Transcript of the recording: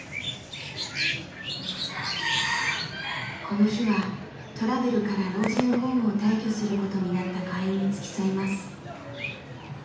この日はトラブルから老人ホームを退去することになった会員に付き添います。